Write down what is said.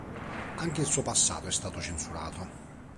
Anche il suo passato è stato censurato.